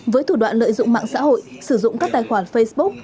với thủ đoạn lợi dụng mạng xã hội sử dụng các tài khoản facebook